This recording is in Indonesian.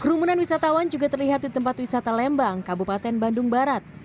kerumunan wisatawan juga terlihat di tempat wisata lembang kabupaten bandung barat